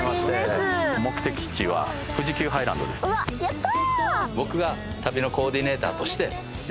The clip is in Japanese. うわっやった！